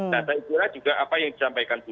dan saya ingin juga apa yang disampaikan bu